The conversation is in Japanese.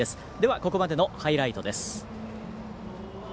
ここまでのハイライトです。